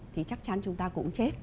thì chắc chắn chúng ta cũng chết